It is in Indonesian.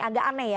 agak aneh ya